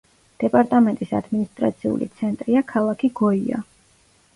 დეპარტამენტის ადმინისტრაციული ცენტრია ქალაქი გოია.